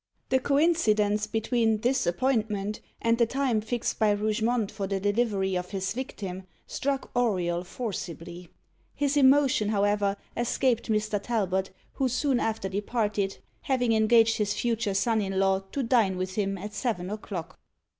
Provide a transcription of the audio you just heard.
The coincidence between this appointment, and the time fixed by Rougemont for the delivery of his victim, struck Auriol forcibly. His emotion, however, escaped Mr. Talbot, who soon after departed, having engaged his future son in law to dine with him at seven o'clock.